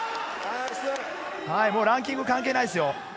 ランキング関係ないですよ。